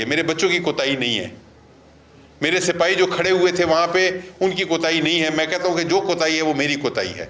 pelaku kemudian memarkir sepeda motor kemudian berjalan ke arah masjid